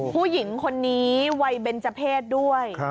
ผู้หญิงคนนี้วัยเบนเจอร์เพศด้วย